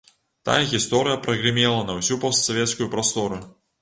Тая гісторыя прагрымела на ўсю постсавецкую прастору.